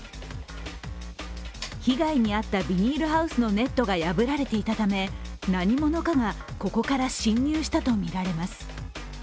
被害に遭ったビニールハウスのネットが破られていたため何者かがここから侵入したとみられます。